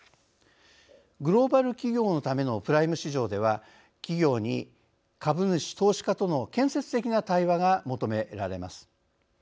グローバル企業のためのプライム市場では、企業に株主・投資家との建設的な対話が求められます。